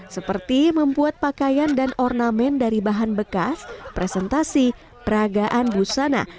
seperti membuat pakaian dan ornamen dari bahan bekas presentasi peragaan busana